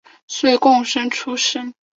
岁贡生出身。